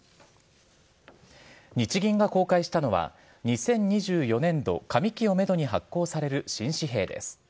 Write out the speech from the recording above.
日銀が公開したのは２０２４年度上期をめどに発行される新紙幣です。